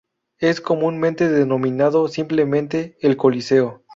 Es comúnmente denominado simplemente el Coliseo.